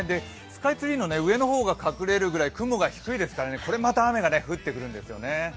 スカイツリーの上の方が隠れるくらい雲が低いですからこれまた雨が降ってくるんですよね。